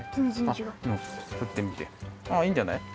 あっいいんじゃない。